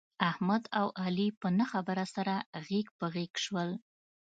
احمد او علي په نه خبره سره غېږ په غېږ شول.